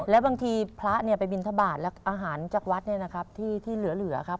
และบางทีพระไปบินทบาทและอาหารจากวัดที่เหลือครับ